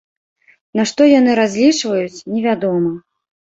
На што яны разлічваюць, невядома.